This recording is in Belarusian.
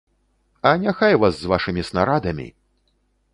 А няхай вас з вашымі снарадамі!